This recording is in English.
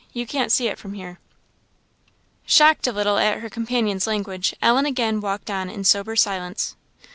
You can't see it from here." Shocked a little at her companion's language, Ellen again walked on in sober silence.